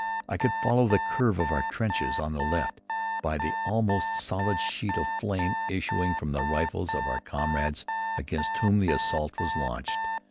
I could follow the curve of our trenches on the left by the almost solid sheet of flame issuing from the rifles of our comrades against whom the assault was launched.